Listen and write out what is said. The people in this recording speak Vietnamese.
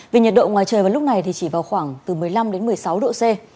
vì nhiệt độ ngoài trời vào lúc này thì chỉ vào khoảng từ một mươi năm đến một mươi sáu độ c